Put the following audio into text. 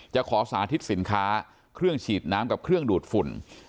ขอสาธิตสินค้าเครื่องฉีดน้ำกับเครื่องดูดฝุ่น